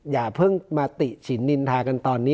อย่าเพิ่งมาติ่ฉีนดินทางตอนนี้